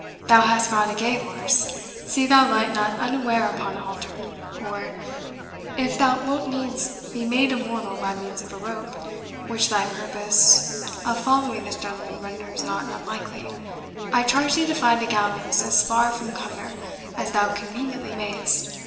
Thou hast got a gay horse; see thou light not unaware upon a halter or, if thou wilt needs be made immortal by means of a rope, which thy purpose of following this gentleman renders not unlikely, I charge thee to find a gallows as far from Cumnor as thou conveniently mayest.